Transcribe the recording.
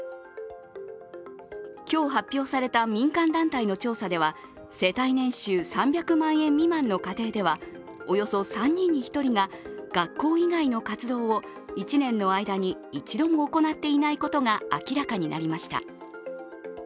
今日発表された民間団体の調査では、世帯年収３００万円未満の家庭ではおよそ３人に１人が学校以外の活動を１年の間に一度も行っていないことが明らかになりました。